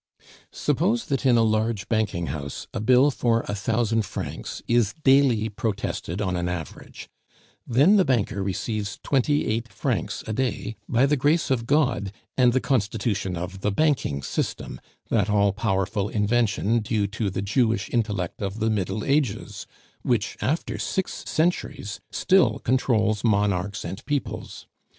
Suppose that in a large banking house a bill for a thousand francs is daily protested on an average, then the banker receives twenty eight francs a day by the grace of God and the constitution of the banking system, that all powerful invention due to the Jewish intellect of the Middle Ages, which after six centuries still controls monarchs and peoples.